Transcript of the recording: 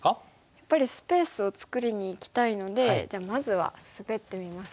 やっぱりスペースを作りにいきたいのでじゃあまずはスベってみますか。